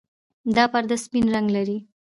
دا پرده سپین رنګ لري.